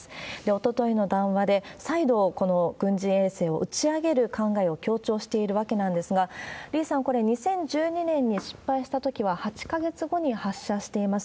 おとといの談話で再度、この軍事衛星を打ち上げる考えを強調しているわけなんですが、李さん、これ、２０１２年に失敗したときは、８か月後に発射しています。